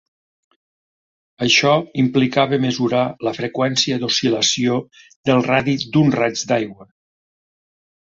Això implicava mesurar la freqüència d'oscil·lació del radi d'un raig d'aigua.